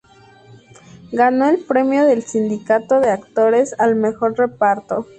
Ganó el Premio del Sindicato de Actores al mejor reparto.